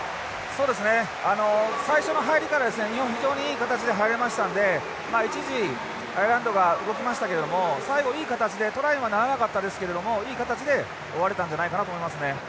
そうですね最初の入りから日本非常にいい形で入れましたんでまあ一時アイルランドが動きましたけども最後いい形でトライにはならなかったですけれどもいい形で終われたんじゃないかなと思いますね。